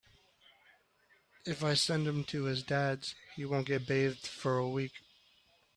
If I send him to his Dad’s he won’t get bathed for a week.